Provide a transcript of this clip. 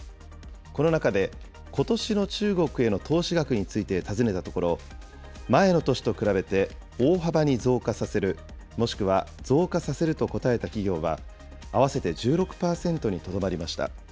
この中で、ことしの中国への投資額について尋ねたところ、前の年と比べて大幅に増加させる、もしくは増加させると答えた企業は、合わせて１６％にとどまりました。